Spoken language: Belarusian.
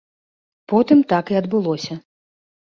Потым так і адбылося.